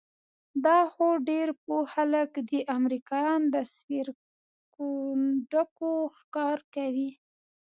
دا خو ډېر پوه خلک دي، امریکایان د سپېرکونډکو ښکار کوي؟